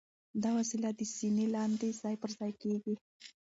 دا وسیله د سینې لاندې ځای پر ځای کېږي.